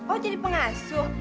oh jadi pengasuh